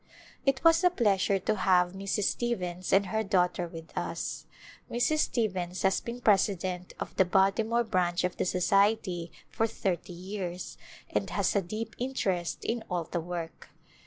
It was a pleasure to have Mrs. Stevens and her daughter with us. Mrs. Stevens has been president of the Baltimore Branch of the Society for thirty years and has a deep interest in all the work.